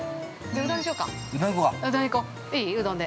うどんで。